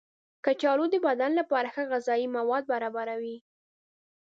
کچالو د بدن لپاره ښه غذايي مواد برابروي.